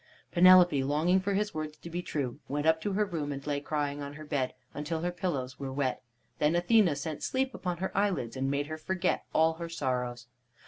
Penelope, longing for his words to be true, went up to her room and lay crying on her bed until her pillows were wet. Then Athene sent sleep upon her eyelids and made her forget all her sorrows.